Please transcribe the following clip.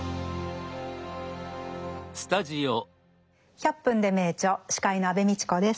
「１００分ｄｅ名著」司会の安部みちこです。